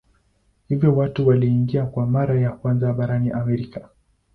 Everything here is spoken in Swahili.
Hivyo watu waliingia kwa mara ya kwanza barani Amerika.